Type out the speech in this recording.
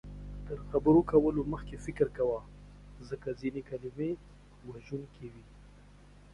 تر خبرو کولو مخکې فکر کوه، ځکه ځینې کلمې وژونکې وي